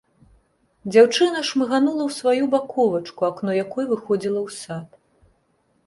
Дзяўчына шмыганула ў сваю баковачку, акно якой выходзіла ў сад.